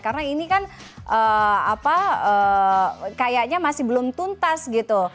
karena ini kan kayaknya masih belum tuntas gitu